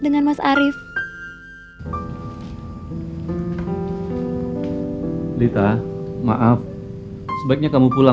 dengan menghemat diri saya dengan kebenaran